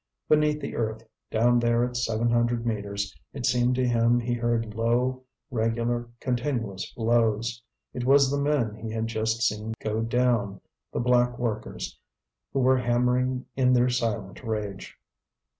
Beneath the earth, down there at seven hundred metres, it seemed to him he heard low, regular, continuous blows; it was the men he had just seen go down, the black workers, who were hammering in their silent rage.